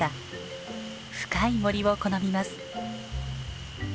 深い森を好みます。